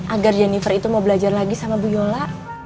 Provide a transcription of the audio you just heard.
agar jennifer itu mau belajar lagi sama bu yola